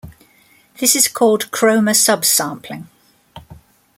This is called chroma subsampling.